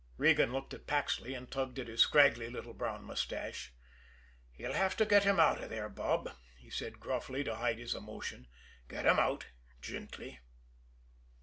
Regan looked at Paxley and tugged at his scraggly little brown mustache. "You'll have to get him out of there, Bob," he said gruffly, to hide his emotion. "Get him out gently."